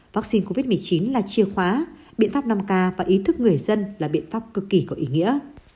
vaccine covid một mươi chín là chìa khóa biện pháp năm k và ý thức người dân là biện pháp cực kỳ có ý nghĩa